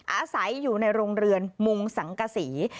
อาศัยอยู่ในโรงเรือนมุงสังกษี